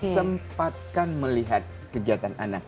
sempatkan melihat kegiatan anak